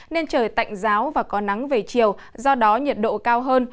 nên trời tạnh giáo và có nắng về chiều do đó nhiệt độ cao hơn